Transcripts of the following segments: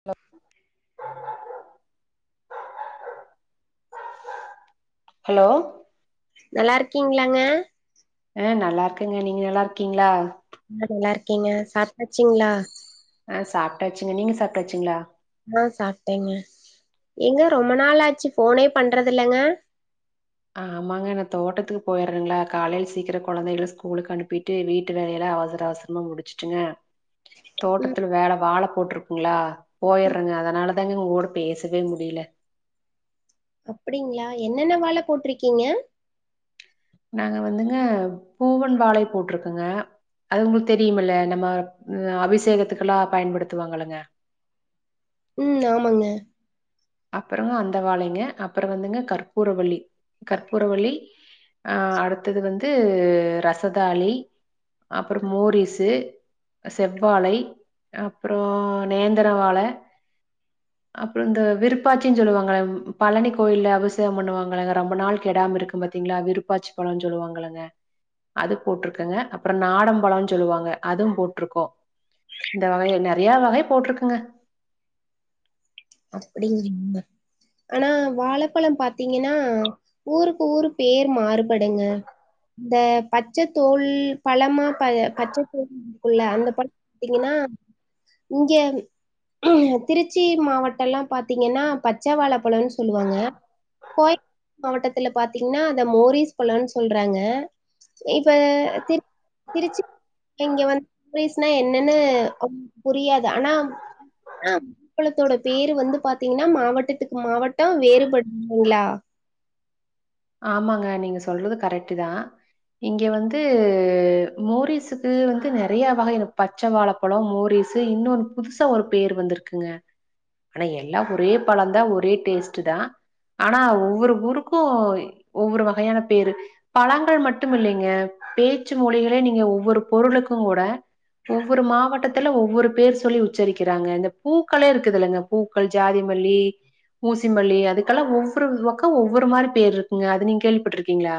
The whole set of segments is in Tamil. ஹலோ ஹலோ நல்லாருக்கீங்ளாங்க ஆ நல்லாருக்கேங்க நீங்க நல்லா இருக்கீங்ளா ஆ நல்லா இருக்கீங்க சாப்ட்டாச்சுங்ளா ஆ சாப்ட்டாச்சுங்க நீங்க சாப்ட்டாச்சுங்ளா ஆ சாப்ட்டங்க எங்க ரொம்ப நாளாச்சு போனே பண்றது இல்லங்க ஆமாங்க நா தோட்டத்துக்கு போயிறங்ளா காலையில சீக்கிர கொழந்தைகளு ஸ்கூலுக்கு அனுப்பிட்டு வீட்டு வேலையலா அவசர அவசர மா முடிச்சுட்டுங்க ம் தோட்டத்துல வேல வாழ போட்ருக்குங்ளா ம் போயிறங்க அதனால தாங்க உங்க கூட பேசவே முடில அப்டிங்ளா என்னென்ன வாழ போட்ருக்கீங்க நாங்க வந்துங்க பூவன் வாழை போட்ருக்கங்க அது உங்களுக்கு தெரியமல நம்ம அபிஷேகத்துக்கெல்லா பயன்படுத்து வாங்கல்லங்க ம் ஆமாங்க அப்பறமா அந்த வாழைங்க அப்றோ வந்துங்க கற்பூரவள்ளி கற்பூரவள்ளி அ அடுத்தது வந்து ரசதாளி அப்றோ மோரிஸு செவ்வாழை அப்றோ நேந்திர வாழ அப்றோ இந்த விருப் விருப்பாச்சி சொல்லுவாங்கல பழனி கோயில்ல அபிஷேக பண்ணுவாங்கல்லங்க ரொம்ப நாள் கெடாம இருக்கு பாத்தீங்ளா விருப்பாச்சி பழோ சொல்லுவாங்கல்லங்க அது போட்ருக்கங்க அப்றோ நாடம்பழம்னு சொல்லுவாங்க அதுவு போட்ருக்கோ இந்த வகைல நறைய வகை போட்ருக்குங்க அப்டிங்ளா ஆனா வாழைப்பழம் பாத்தீங்கன்னா ஊருக்கு ஊரு பேர் மாறுபடுங்க இந்த பச்ச தோல் பழமா ப பச்சத்தோல் இருக்குல்ல அந்த பழம் பாத்தீங்கன்னா இங்க திருச்சி மாவட் டல்லா பாத்தீங்கன்னா பச்ச வாழை பழம்னு சொல்லுவாங்க கோயம்புத்தூர் மாவட்டத்துல பாத்தீங்கன்னா அத மோரிஸ் பழம்ன்னு சொல்றாங்க இப்ப திரு திருச்சி இங்க வந்து மோரிஸ்னா என்னன்னு அவுங்களுக்கு புரியாது ஆனா ஆ பழத்தோட பேரு வந்து பாத்தீங்கன்னா மாவட்டத்துக்கு மாவட்டோ வேறுபடுது இல்லைங்களா ஆமாங்க நீங்க சொல்றது கரெக்ட்டு தா இங்க வந்து மோரிஸ்ஸுக்கு வந்து நெறைய வகை இருக்கு பச்ச வாழப் பழோ மோரிஸ்ஸு இன்னொன்னு புதுசா ஒரு பேர் வந்துருக்குங்க ஆனா எல்லா ஒரே பழந்தா ஒரே டேஸ்ட் தா ஆனா ஒவ்வொரு ஊருக்கு ஒவ்வொரு வகையான பேரு பழங்கள் மட்டும் இல்லங்க பேச்சு மொழிகளே நீங்க ஒவ்வொரு பொருளுக்கு கூட ஒவ்வொரு மாவட்டத்துல ஒவ்வொரு பேர் சொல்லி உச்சரிக்கிறாங்க இந்த பூக்களே இருக்குதுல்லங்க பூக்கள் ஜாதிமல்லி ஊசி மல்லி அதுக்கெல்லா ஒவ்வொரு வக்கோ ஒவ்வொரு மாரி பேர் இருக் குங்க அது நீங்க கேள்விப்பட்ருக்கீங்களா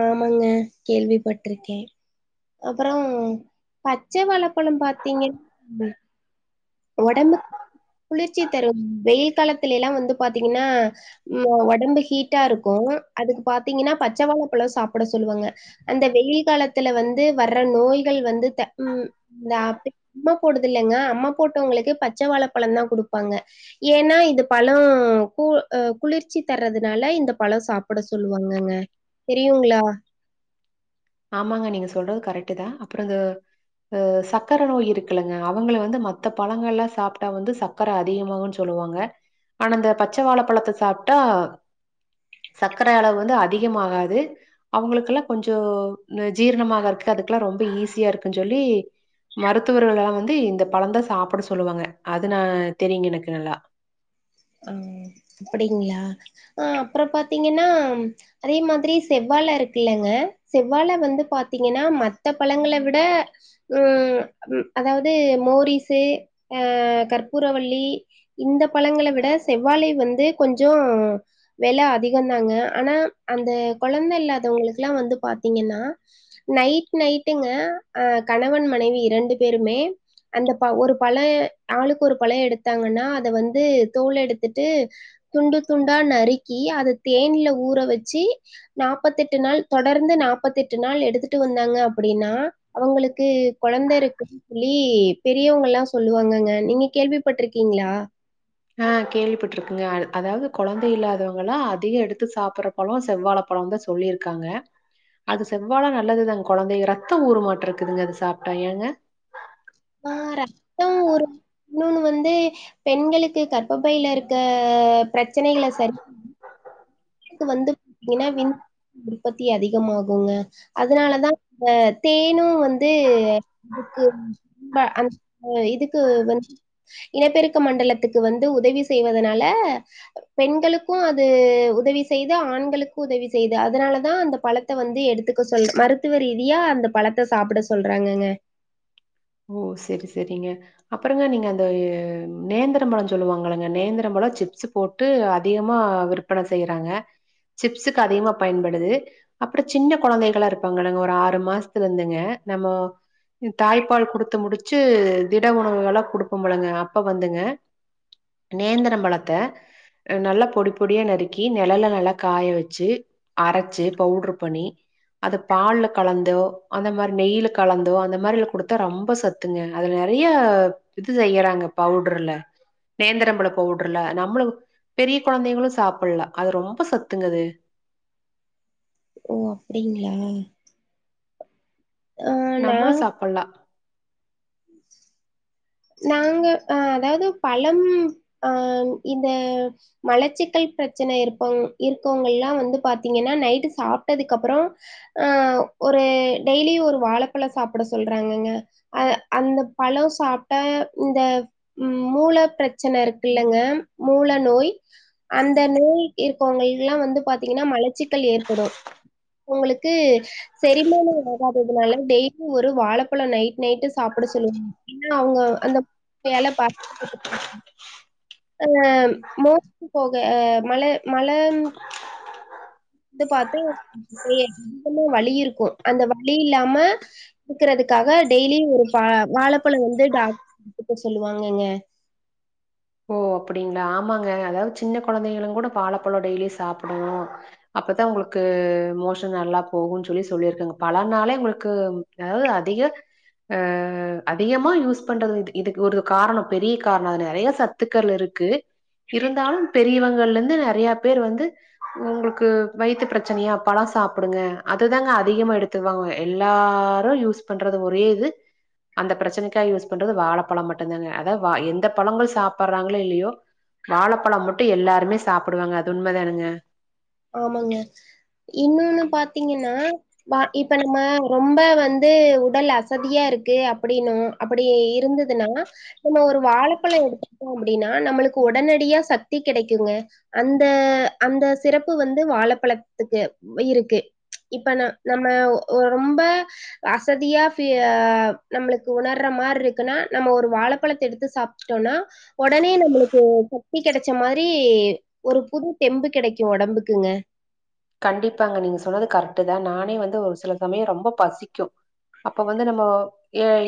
ஆமாங்க கேள்விப்பட்ருக்கே அப்பறோ பச்ச வாழப்பழோ பாத்தீங்கன்னா ஒடம்புக் குளிர்ச்சி தரும் வெயில் காலத்துலைலா வந்து பாத்தீங்கன்னா ம் ஒடம்பு ஹீட்டா இருக்கு அதுக்கு பாத்தீங்கன்னா பச்சவாழப்பழோ சாப்ட சொல்லுவாங்க அந்த வெயில் காலத்துல வந்து வர்ற நோய்கள் வந்து த ம் இந்த ஆ அம்ம போடுதில்லங்க அம்ம போட்டவங்களுக்கே பச்ச வாழப்பழந்தா குடுப்பாங்க ஏன்னா இது பழோ கூல் குளிர்ச்சி தர்றதுனால இந்த பழோ சாப்ட சொல்லுவாங்கங்க தெரியுங்களா ஆமாங்க நீங்க சொல்றது கரெக்ட்தா அப்பறோ இந்த ஆ சக்கரை நோய் இருக்குலங்க அவங்கள வந்து மத்த பழங்கள்லா சாப்ட்டா வந்து சக்கர அதிகமாகுன்னு சொல்லுவாங்க ஆனா இந்த பச்ச வாழப்பழத்த சாப்ட்டா சக்கரை அளவு வந்து அதிகமாகாது அவுங்களுக்கெல்லா கொஞ்சோ இந்த ஜீரணமாகருக்கு அதுக்கெல்லா ரொம்ப ஈஸியா இருக்குன் சொல்லி மருத்துவர்கள் எல்லா வந்து இந்த பழந்தா சாப்ட சொல்லுவாங்க அது நா தெரியுங்க எனக்கு நல்லா ஆ அப்டிங்களா ஆ அப்பறோ பாத்தீங்கன்னா அதே மாதிரி செவ்வாழ இருக்குல்லங்க செவ்வாழ வந்து பாத்தீங்கன்னா மத்த பழங்கள விட ம் அதாவது மோரிஸு ஆ கற்பூரவள்ளி இந்த பழங்கள விட செவ்வாழை வந்து கொஞ்சோ வெல அதிகந்தாங்க ஆனா அந்த கொழந்தை இல்லாதவங்களுக்குல்லா வந்து பாத்தீங்கன்னா நைட் நைட்டுங்க ஆ கணவன் மனைவி இரண்டு பேருமே அந்த ப ஒரு பழோ ஆளுக்கு ஒரு பழோ எடுத்தாங்கன்னா அத வந்து தோல் எடுத்துட்டு துண்டு துண்டா நறுக்கி அத தேன்ல ஊற வச்சி நாப்பத்தெட்டு நாள் தொடர்ந்து நாப்பத்தெட்டு நாள் எடுத்துட்டு வந்தாங்க அப்டின்னா அவங்களுக்கு கொழந்த இருக்கும் சொல்லி பெரியவங்கல்லா சொல்லுவாங்கங்க நீங்க கேள்விப்பட்ருக்கீங்களா ஆ கேள்விப்பட்டுருக்குங்க அதாவது கொழந்தை இல்லாதவங்கல்லா அதிக எடுத்து சாப்டறப் பழோ செவ்வாழ பழோந்தா சொல்லிருக்காங்க அது செவ்வாழ நல்லதுதாங்க கொழந்தைங்க ரத்தோ ஊருமாட்டருக்குதுங்க அது சாப்ட்டா ஏங்க ஆ ரத்த ஊரும் இன்னொன்னு வந்து பெண்களுக்கு கற்ப பையில இருக்க பிரச்சனைகள சரி க்கு வந்து இனவின் உற்பத்தி அதிகமாகுங்க அதனாலதா இந்த தேனு வந்து இதுக்கு [inaudible] அந்த இதுக்கு வந்து இனப்பெருக்க மண்டலத்துக்கு வந்து உதவி செய்வதனால பெண்களுக்கு அது உத உதவி செய்து ஆண்களுக்கு உதவி செய்து அதனால தா அந்த பழத்த வந்து எடுத்துக்க சொல் மறு த்துவ ரீதியா அந்த பழத்த சாப்பிட சொல்றாங்கங்க ஓ சேரி சேரிங்க அப்புறோங்க நீங்க அந்த நேந்துர பழோ சொல்லுவாங்கல்லங்க நேந்தரம் பழோ சிப்ஸு போட் டு அதிகமா விற்பன செய்யறாங்க சிப்ஸுக்கு அதிகமா பயன்படுது அப்புறோங்க சின்ன கொழந்தைகளா இருப்பாங்களங்க ஒரு ஆறு மாசத்துலருந்துங்க நம்மோ தாய் ப்பால் குடுத்து முடிச்சு திட உணவுகள்லா குடுப்போல்லங்க அப்ப வந்துங்க நேந்தரம்பழத்த அ நல்லா பொடி பொடியா நறுக்கி நெழல்ல நல்லா காய வெச்சு அரைச்சு பவுடர் பண்ணி அது பால்ல கலந்தோ அந்த மாரி நெய்ல கலந்தோ அந்த மாரில குடுத் தா ரொம்ப சத்துங்க அதுல நறையா இது செய்யறாங்க பவுடர்ல நேந்தரம்பழோ பவுடர்ல நம்முளு பெரிய கொழந்தைங்களு சாப்பல்லா அது ரொம்ப சத்துங்கது ஓ அப்டிங்ளா நா நம்மளு சாப்பல்லா நாங்க அ அதாவது பழம் அ இந்த மலச்சிக்கல் பிரச்சனை இருப்பங் இருக்கவங்கெல்லா வந்து பாத்தீங்கன்னா நைட்டு சாப்ட்டதுக்கு அப்பறோ ஆ ஒரு டெய்லி ஒரு வாழப்பழோ சாப்ட சொல்றாங்கங்க அத அந்த பழோ சாப்ட்டா இந்த ம் மூல பிரச்சன இருக்குல்லங்க மூல நோய் அந்த நோய் இருக்கவங்க எல்லா வந்து பாத்தீங்கன்னா மலச்சிக்கல் ஏற்படு உங்களுக்கு செரிமானே ஆகாததுனால டெய்லி ஒரு வாழைப்பழோ நைட் நைட்டு சாப் புட சொல்லுவாங்க ஏன்னா அவுங்க அந்த வேல பாத் ஆ மோஷன் போக மல மலம் த்து பாத்து எ [unintelligible] ம்மா வலி இருக்கு அந்த வலி இல்லாம இருக்கறதுக்காக டெய்லியு ஒரு பா வாழப்பழ வந்து டாக் [inaudible] எடுத்துக்க சொல்லுவாங்கங்க ஓ அப்படிங்களா ஆமாங்க அதாவது சின்ன கொழந்தைங்களு கூட வாழப்பழோ டெய்லி சாப்புடணு அப்பதா உங்களுக்கு மோஷன் நல்லா போகுன் சொல்லி சொல்லியிருக்காங்க பழோனாளே உங்களுக்கு அதாவது அதிக அ அதிகமா யூஸ் பண்றது இது இதுக்கு ஒரு காரணோ பெரிய காரணோ அது நறைய சத் துக்கள் இருக்கு இருந்தாலு பெரியவங்கள்லருந்து நறையா பேர் வந்து உங்களுக்கு வயித்து பிரச்சனையா பழௌ சாப்புடுங்க அதுதாங்க அதிகமா எடுத் துவோ எல்லாரு யூஸ் பண்றது ஒரே இது அந்த பிரச்சனைக்கா யூஸ் பண்றது வாழபழோ மட்டும்தாங்க அதாவ் எந்த பழோங்கள் சாப் பர்றாங்களோ இல்லையோ வாழப்பழோ மட்டு எல்லாருமே சாப்புடுவாங்க அது உண்மதானுங்க ஆமாங்க இன்னொன்னு பாத்தீங்கன்னா வா இப்ப நம்ம ரொம்ப வந்து உடல் அசதியா இருக்கு அப்படின்னு அப்டி இருந்ததுன்னா நம்ம ஒரு வாழைப்பழ எடுத்துட்டோ அப்டின்னா நம்மளுக்கு உடனடியா சக்தி கிடைக்குங்க அந்த அந்த சிறப்பு வந்து வாழைப்பழத்துக்கு இருக்கு இப்ப ந நம்ம ரொம்ப அசதியா நம்மளுக்கு உணர்ற மாதிரி இருக்குன்னா நம்ம ஒரு வாழைப்பழத்தை எடுத்து சாப் னா உடனே நம்மளுக்கு சக்தி கிடைச்ச மாரி ஒரு புது தெம்பு கிடைக் உடம்புக்குங்க கண்டிப்பாங்க நீங்க சொன்னது கரெக்ட் தா நானே வந்து ஒரு சில சமயம் ரொம்ப பசிக்கு அப்ப வந்து நம்ம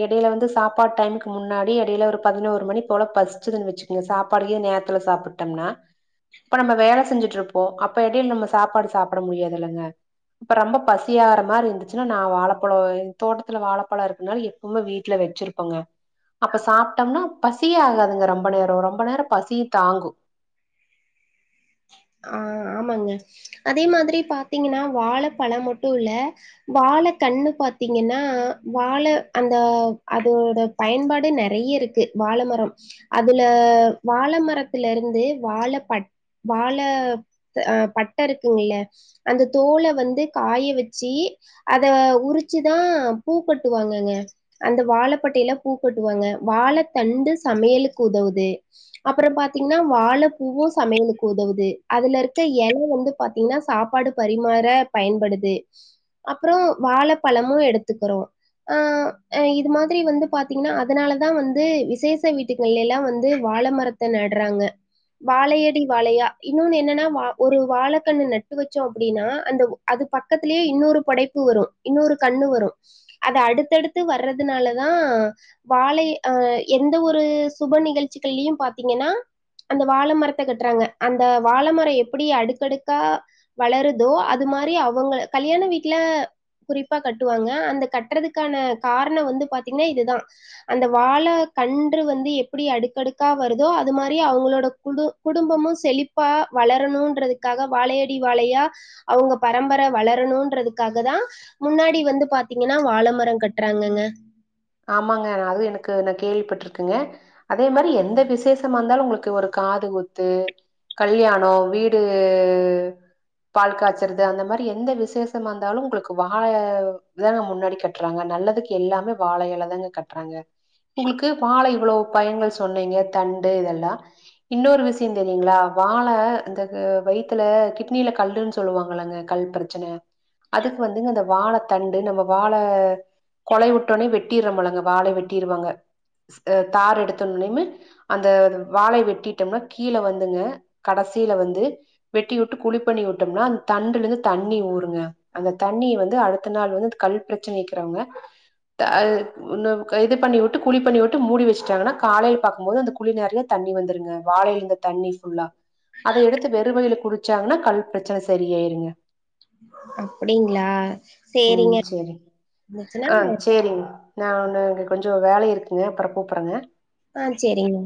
இடையில வந்து சாப்பாட்டு டைமுக்கு முன்னாடி இடையில ஒரு பதினோரு மணி போல பசிச்சுயிருந்துச்சு ங்க சாப்பாடயு நேரத்துல சாப்பிட்டோம்னா இப்ப நம்ம வேலை செஞ்சுட்டு இருப்போ அப்ப இடையில நம்ம சாப்பாடு சாப்ட முடியதுல்லங்க இப்ப ரொம்ப பசியாகற மாதிரி இருந்துச்சன்னா நா வாழைப்பழம் தோட்டத்துல வாழைப்பழோ இருக்குதுனால ரொம்ப வீட்டுல வச்சிருப்போங்க அப்ப சாப்ட்டோம்னா பசியே ஆகாதுங்க ரொம்ப நேரோ ரொம்ப நேரோ பசிய தாங்கு ஆ ஆமாங்க அதே மாதிரி பாத்தீங்கன்னா வாழை பழ மட்டும் இல்ல வாழை கண்ணு பாத்தீங்கன்னா வாழை அந்த அதோட பயன்பாடு நெறைய இருக்கு வாழைமரம் அதுல வாழை மரத்துல இருந்து வாழ பட் வாழ ஆ பட்ட இருக்குங்கல்ல அந்த தோலை வந்து காய வச்சு அத உரிச்சுதா பூ கட்டுவாங்கங்க அந்த வாழைப்பட்டையிலா பூ கட்டுவாங்க வாழை தண்டு சமையலுக்கு உதவுது அப்றோ பாத்தீங்கன்னா வாழை பூவு சமையலுக்கு உதவுது அதுல இருக்க இலை வந்து பாத்தீங்கன்னா சாப்பாடு பரிமாற பயன்படுது அப்றோ வாழை பழமு எடுத்துக்கிறோ ஆ இது மாதிரி வந்து பாத்தீங்கன்னா அதுனாலதா வந்து விசேஷ வீடு எல்லா வந்து வாழை மரத்தை நடுறாங்க வாழையடி வாழையா இன்னொன்னு என்னன்னா வா ஒரு வாழைக்கண்ணு நட்டு வச்சோ அப்டின்னா அந்த அது பக்கத்திலயே இன்னொரு படைப்பு வரு இன்னொரு கண்ணு வரு அத அடுத்தடுத்து வர்றதுனாலதா வாழை அ எந்த ஒரு சுப நிகழ்ச்சிகள்லயு பாத்தீங்கன்னா அந்த வாழை மரத்தை கட்டுறாங்க அந்த வாழை மரம் எப்டி அடுக்கடுக்கா வளருதோ அது மாதிரி அவுங்க கல்யாண வீட்டுல குறிப்பா கட்டுவாங்க அந்த கட்டுறதுக்கான காரணோ வந்து பாத்தீங்கன்னா இதுதா அந்த வாழ கன்று வந்து எப்டி அடுக்கடுக்கா வருதோ அது மாதிரி அவங்களோட கு குடும்பமும் செழிப்பா வளரணும்ன்றதுக்காக வாழையடி வாழையா அவுங்க பரம்பரை வளரணுன்றதுக்காக தா முன்னாடி வந்து பாத்தீங்கன்னா வாழை மரோ கட்டுறாங்கங்க ஆமாங்க அது எனக்கு நா கேள்விப்பட்டிருக்குங்க அதே மாதிரி எந்த விசேஷமா இருந்தாலு உங்களுக்கு ஒரு காது ஒத்து காது குத்து கல்யாணோ வீடு பால் காய்ச்சறது அந்த மாதிரி எந்த விசேஷமா இருந்தாலு உங்களுக்கு வாழ இங்க முன்னாடி கட்டுறாங்க நல்லதுக்கு எல்லாமே வாழையில தாங்க கட்டுறாங்க உங்களுக்கு வாழ இவ்ளோ பயங்கள் சொன்னீங்க தண்டு இதெல்லா இன்னொரு விஷயோ தெரியுங்களா வாழை இந்த வயித்துல கிட்னியில கல்ன்னு சொல்லுவாங்களங்க கல்றது ச்சன அதுக்கு வந்துங்க அந்த வாழத் தண்டு நம்ம வாழ கொலையவுட் ட்டோனே வெட்டிற்றமிலங்க வாழய வெட்டிருவாங்க அ தார் எடுத்தமினியமே அந்த வாழய வெட்டிட்டம்னா கீழ வந்துங்க கடசில வந்து வெட்டி வுட்டு குழிப்பண்ணி விட்டம்னா அந்த தண்டுலருந்து தண்ணி ஊறுங்க அந்த தண்ணிய வந்து அடுத்த நாள் வந்து அந்த கல் பிரச்சனக்கிறவ்ங்க த அ உன்னொருக்கா இது பண்ணி விட்டு குழி பண்ணி வுட்டு மூடி வச்சுட்டாங்கனா காலைல பாக்கும்போது அந்த குழி நெறையா தண்ணி வந்துருங்க வாழையிலிருந்த தண்ணி ஃபுல்லா அத எடுத்து வெறு வாயில குடிச்சாங்கனா கல் பிரச்சன செரியாயிருங்க அப்டிங்ளா சேரிங்க ம் சரி. இருந்துச்சுனா ஆ நா சேரிங்க நா ஒன்னு இங்க கொஞ்ச வேலை இருக்குங்க அப்பற கூப்புட்றங்க ஆ சேரிங்க